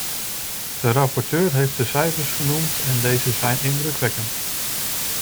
De rapporteur heeft de cijfers genoemd en deze zijn indrukwekkend.